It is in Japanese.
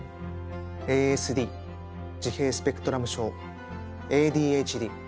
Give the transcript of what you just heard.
ＡＳＤ自閉スペクトラム症ＡＤＨＤ注意欠如